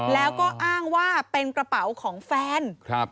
แล้วก็อ้างว่าเป็นกระเป๋าของแฟน